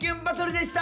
でした！